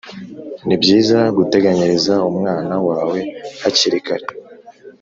Nibyiza guteganyiriza umwana wawe hakiri kare